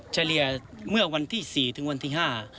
เฉลี่ยเมื่อวันที่สี่ถึงวันที่ห้า